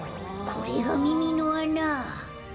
これがみみのあな。